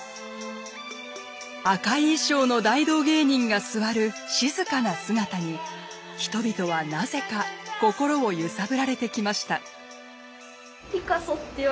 赤い衣装の大道芸人が座る静かな姿に人々はなぜか心を揺さぶられてきました。